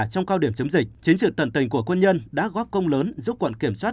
trong cao điểm chấm dịch chính trực tận tình của quân nhân đã góp công lớn giúp quận kiểm soát